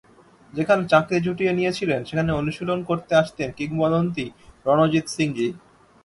যেখানে চাকরি জুটিয়ে নিয়েছিলেন, সেখানে অনুশীলন করতে আসতেন কিংবদন্তি রনজিত সিংজি।